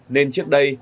nên trước đây